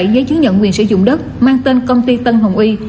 một mươi bảy giấy chứng nhận quyền sử dụng đất mang tên công ty tân hồng uy